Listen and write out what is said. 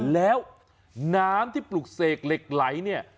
แล้วน้ำที่ปลุกเสกเหล็กไหลเนี่ย